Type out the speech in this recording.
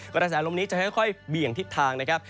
กระแสลมนี้จะค่อยเบี่ยงทิศทางนะครับ